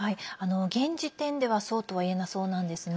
現時点ではそうとは言えなそうなんですね。